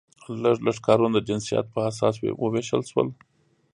لږ لږ کارونه د جنسیت په اساس وویشل شول.